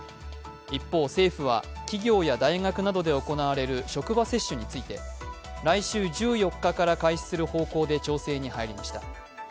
一方、政府は企業や大学などで行われる職場接種について来週１４日から開始する方向で調整に入りました。